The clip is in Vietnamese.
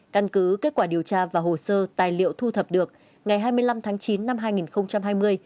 căn cứ kết quả điều tra và hồ sơ tài liệu thu thập được ngày hai mươi năm tháng chín năm hai nghìn hai mươi